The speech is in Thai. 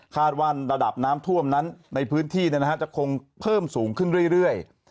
ว่าระดับน้ำท่วมนั้นในพื้นที่จะคงเพิ่มสูงขึ้นเรื่อย